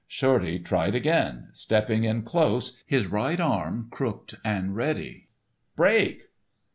Shorty tried again, stepping in close, his right arm crooked and ready. "_Break!